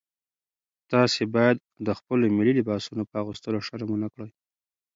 تاسي باید د خپلو ملي لباسونو په اغوستلو شرم ونه کړئ.